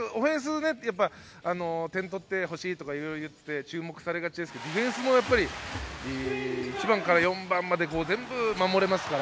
オフェンス、オフェンスと点を取ってほしいといって注目されがちですが、ディフェンスも１番から４番まで全部守れますから。